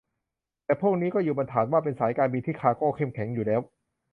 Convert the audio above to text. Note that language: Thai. แต่พวกนี้ก็อยู่บนฐานว่าเป็นสายการบินที่คาร์โก้เข้มแข็งอยู่แล้ว